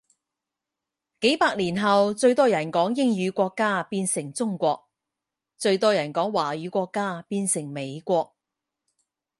幾百年後最人多講英語國家變成中國，最多人講華語國家變成美國